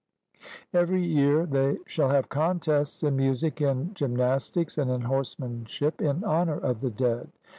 Every year they shall have contests in music and gymnastics, and in horsemanship, in honour of the dead.